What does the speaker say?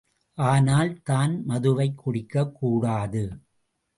ஆனால், தான் மதுவைக் குடிக்கக்கூடாது.